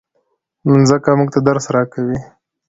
مځکه موږ ته درس راکوي.